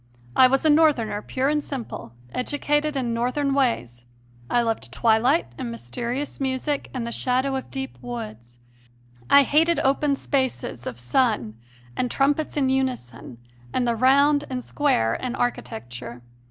I was a Northerner pure and simple, educated in Northern ways. I loved twilight and mysterious music and the shadow of deep woods; I hated open spaces of sun and trumpets in unison and the round and square in architecture.